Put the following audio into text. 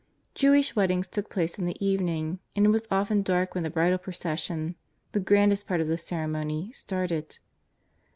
Jewish weddings took place in the evening, and it was often dark when the bridal procession, the grandest part of the ceremony, started.